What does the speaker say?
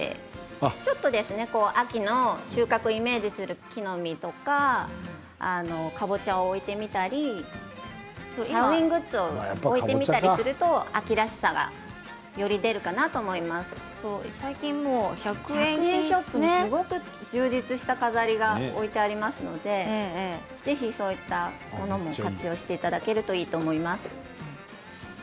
秋の収穫をイメージする木の実とかかぼちゃを置いてみたりハロウィーングッズを置いてみたりすると秋らしさがより出るかなと最近は充実した飾りが置いてありますのでぜひそういったものも活用していただければいいと思います。